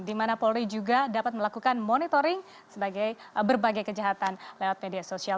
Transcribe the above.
di mana polri juga dapat melakukan monitoring sebagai berbagai kejahatan lewat media sosial